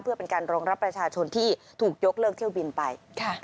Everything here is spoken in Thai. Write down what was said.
เพื่อเป็นการรองรับประชาชนที่ถูกยกเลิกเที่ยวบินไป